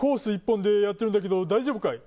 １本でやってるんだけど大丈夫かい？